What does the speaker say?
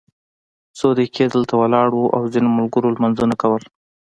څو دقیقې دلته ولاړ وو او ځینو ملګرو لمونځونه کول.